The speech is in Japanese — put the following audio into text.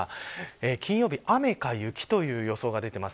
金曜日、雨か雪という予想が出ています。